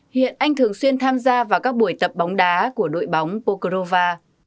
hiện anh thường xuyên tham gia vào các buổi tập bóng đá của đội bóng pokorova